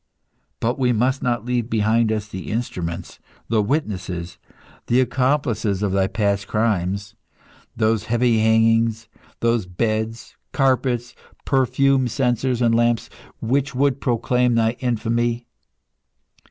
But we must not leave behind us the instruments, the witnesses, the accomplices of thy past crimes; those heavy hangings, those beds, carpets, perfume censers and lamps, which would proclaim thy infamy!